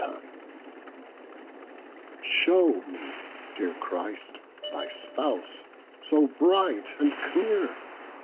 XVIII Show me deare Christ, thy Spouse, so bright and clear.